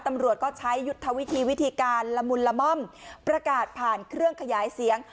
ตำรวจก็ใช้ยุทธวิธีวิธีการละมุนละม่อมประกาศผ่านเครื่องขยายเสียง